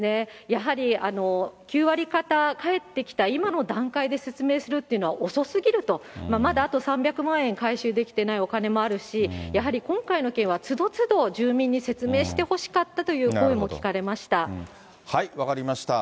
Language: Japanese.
やはり９割方返ってきた今の段階で説明するっていうのは遅すぎると、まだあと３００万円回収できてないお金もあるし、やはり今回の件は都度都度住民に説明してほしかったという声も聞分かりました。